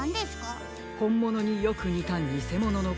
ほんものによくにたにせもののことです。